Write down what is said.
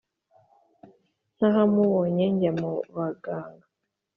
ntahamubonye njya mu baganga.